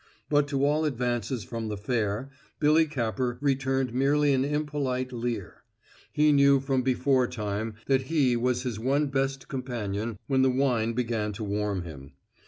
But to all advances from the fair, Billy Capper returned merely an impolite leer. He knew from beforetime that he was his one best companion when the wine began to warm him.